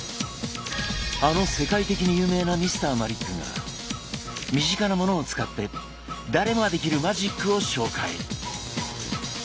あの世界的に有名なＭｒ．マリックが身近なものを使って誰もができるマジックを紹介。